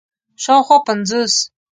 شاوخوا پنځوس